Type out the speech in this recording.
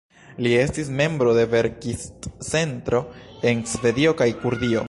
Li estis membro de verkist-centro en Svedio kaj Kurdio.